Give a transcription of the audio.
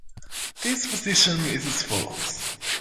This position is as follows.